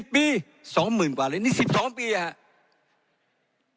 ปี๒๐๐๐กว่าเลยนี่๑๒ปีครับ